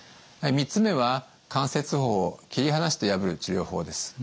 ３つ目は関節包を切り離して破る治療法です。